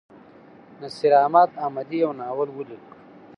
نصیراحمد احمدي یو ناول ولیک.